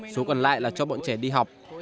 số còn lại là cho bọn trẻ đi học